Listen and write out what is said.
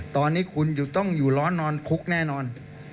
ตอนนี้คุณต้องอยู่ร้อนนอนคุกแน่นอน